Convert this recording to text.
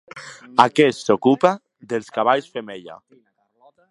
Aquest s'ocupa dels cavalls femella.